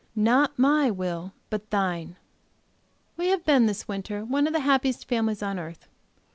Not my will! But Thine!" We have been, this winter, one of the happiest families on earth.